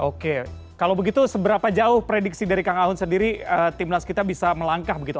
oke kalau begitu seberapa jauh prediksi dari kang aun sendiri timnas kita bisa melangkah begitu